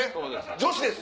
女子です。